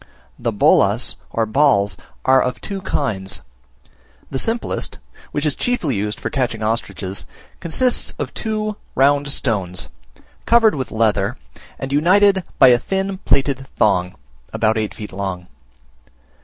The bolas, or balls, are of two kinds: the simplest, which is chiefly used for catching ostriches, consists of two round stones, covered with leather, and united by a thin plaited thong, about eight feet long.